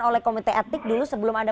oleh komite etnik dulu sebelum ada